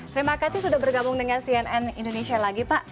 terima kasih sudah bergabung dengan cnn indonesia lagi pak